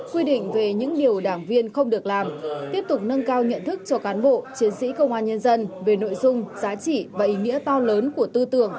quy định về những điều đảng viên không được làm tiếp tục nâng cao nhận thức cho cán bộ chiến sĩ công an nhân dân về nội dung giá trị và ý nghĩa to lớn của tư tưởng